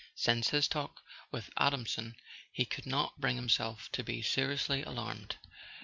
Since his talk with Adamson he could not bring himself to be seriously alarmed.